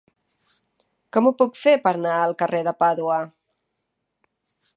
Com ho puc fer per anar al carrer de Pàdua?